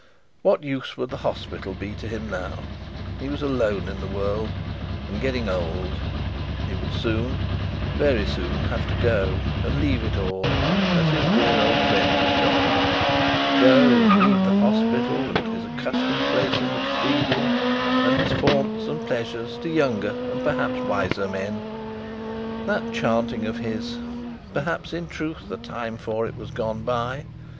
What use would the hospital be to him now? He was alone in the world, and getting old; he would soon, very soon, have to go, and leave it all, as his dear old friend had gone; go, and leave the hospital, and his accustomed place in the cathedral, and his haunts and pleasures, to younger and perhaps wiser men, in truth, the time for it had gone by.